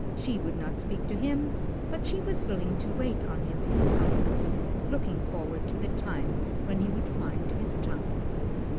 She would not speak to him, but she was willing to wait on him in silence, looking forward to the time when he would find his tongue.